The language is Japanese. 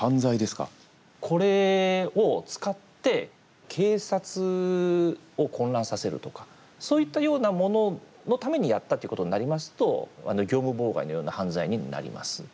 これを使って警察を混乱させるとかそういったようなもののためにやったということになりますと業務妨害のような犯罪になります。